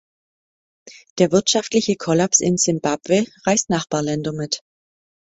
Der wirtschaftliche Kollaps in Simbabwe reißt Nachbarländer mit.